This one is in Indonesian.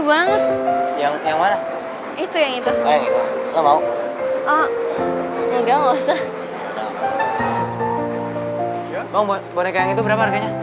bang boneka yang itu berapa harganya